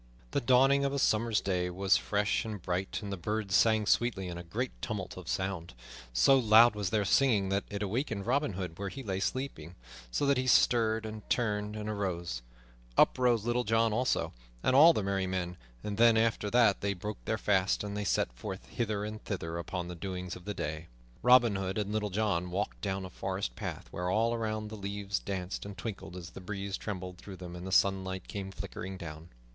The dawning of a summer's day was fresh and bright, and the birds sang sweetly in a great tumult of sound. So loud was their singing that it awakened Robin Hood where he lay sleeping, so that he stirred, and turned, and arose. Up rose Little John also, and all the merry men; then, after they had broken their fast, they set forth hither and thither upon the doings of the day. Robin Hood and Little John walked down a forest path where all around the leaves danced and twinkled as the breeze trembled through them and the sunlight came flickering down.